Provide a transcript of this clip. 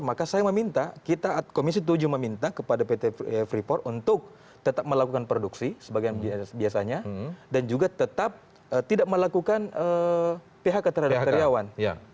maka saya meminta kita komisi tujuh meminta kepada pt freeport untuk tetap melakukan produksi sebagian biasanya dan juga tetap tidak melakukan phk terhadap karyawan